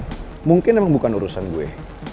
ya mungkin memang bukan urusan gue